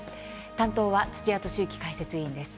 担当は土屋敏之解説委員です。